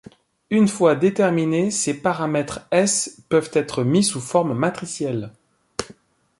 Une fois déterminés, ces paramètres S peuvent être mis sous forme matricielle.